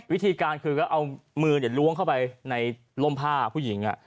วิธีการคือก็เอามือล้วงเข้าไปในร่มผ้าผู้หญิง